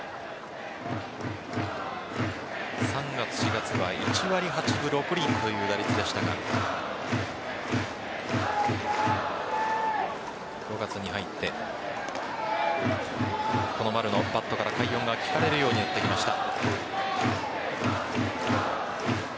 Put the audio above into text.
３月、４月は１割８分６厘という打率でしたが５月に入ってこの丸のバットから快音が聞かれるようになってきました。